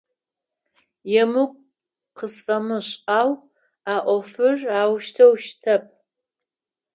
Емыкӏу къысфэмышӏ, ау а ӏофыр аущтэу щытэп.